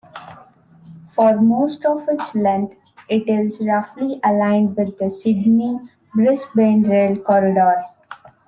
For most of its length it is roughly aligned with the Sydney-Brisbane rail corridor.